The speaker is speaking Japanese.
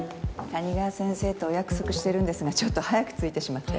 谷川先生とお約束してるんですがちょっと早く着いてしまって。